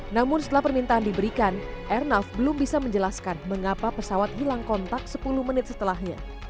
namun setelah permintaan diberikan airnav belum bisa menjelaskan mengapa pesawat hilang kontak sepuluh menit setelahnya